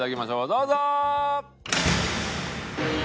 どうぞ！